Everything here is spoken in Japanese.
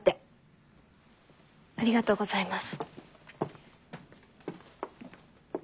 ありがとうございます。